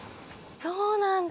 そうなんだ。